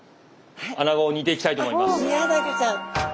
アナゴを煮ていきたいと思います。